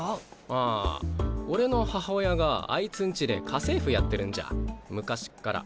ああ俺の母親があいつんちで家政婦やってるんじゃ昔っから。